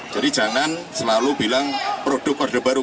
jadi jangan selalu bilang produk order baru